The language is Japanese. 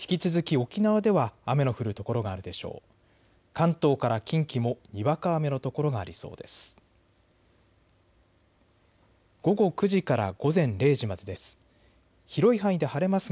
関東から近畿もにわか雨の所がありそうです。